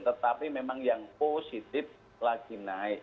tetapi memang yang positif lagi naik